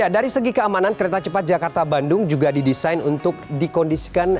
dari segi keamanan kereta cepat jakarta bandung juga didesain untuk dikondisikan